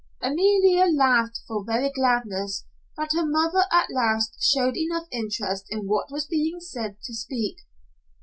Amalia laughed for very gladness that her mother at last showed enough interest in what was being said to speak.